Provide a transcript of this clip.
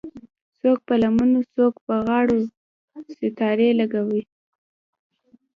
څوک په لمنو څوک په غاړو ستارې لګوي